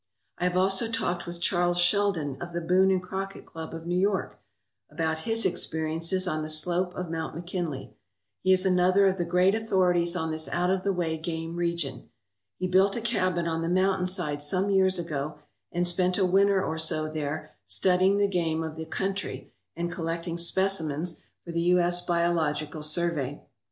I have also talked with Charles Sheldon of the Boone and Crockett Club of New York about his experiences on the slope of Mount McKinley. He is another of the great authorities on this out of the way game region. He built a cabin on the mountainside some years ago and spent a winter or so there studying the game of the country and collecting specimens for the U. S. Biological Survey.